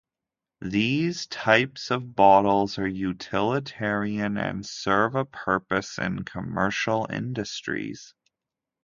These types of bottles are utilitarian and serve a purpose in commercial industries.